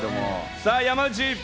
さぁ、山内。